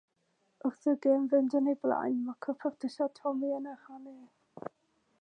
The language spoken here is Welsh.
Wrth i'r gêm fynd yn ei blaen, mae cwpwrdd dillad Tommy yn ehangu.